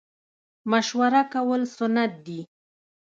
مشوره کول سنت دي